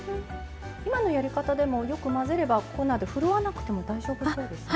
今のやり方でもよく混ぜれば粉でふるわなくても大丈夫そうですね。